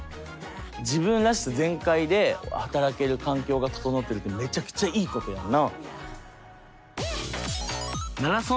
自分らしさ全開で働ける環境が整ってるってめちゃくちゃいいことやんな。